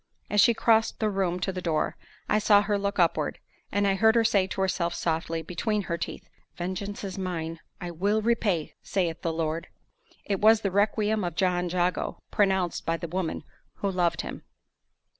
As she crossed the room to the door, I saw her look upward; and I heard her say to herself softly, between her teeth, "Vengeance is mine, I will repay, saith the Lord." It was the requiem of John Jago, pronounced by the woman who loved him.